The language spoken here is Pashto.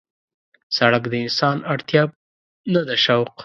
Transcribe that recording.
سړک د انسان اړتیا ده نه شوق.